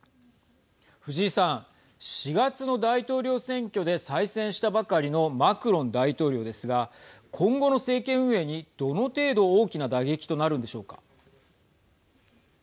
藤井さん、４月の大統領選挙で再選したばかりのマクロン大統領ですが今後の政権運営にどの程度大きな打撃となるんでしょうか。